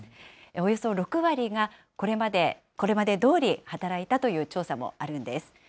およそ６割が、これまでどおり働いたという調査もあるんです。